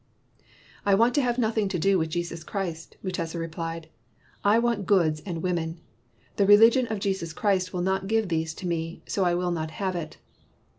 "I want to have nothing to do with Jesus Christ," Mutesa replied. "I want goods and women. The religion of Jesus Christ will not give these to me, so I will not have it.